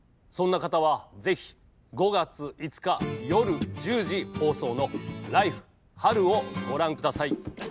そんな方はぜひ５月５日夜１０時放送の「ＬＩＦＥ！春」をご覧ください。